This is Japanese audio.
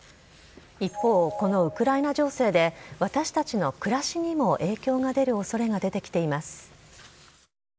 一方、このウクライナ情勢で、私たちの暮らしにも影響が出るおそれが出てきています。